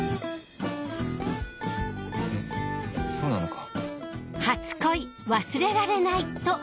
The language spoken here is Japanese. えっそうなのか？